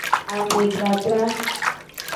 Amedradra.